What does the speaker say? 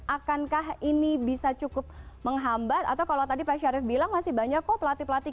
akankah ini bisa cukup menghambat atau kalau tadi pak syarif bilang masih banyak kok pelatih pelatih